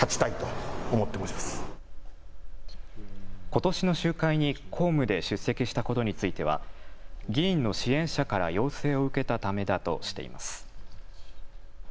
ことしの集会に公務で出席したことについては議員の支援者から要請を受けたためだとしています。